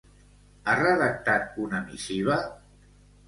Ha redactat una missiva?